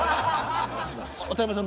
渡邊さん